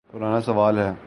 پرانا سوال ہے۔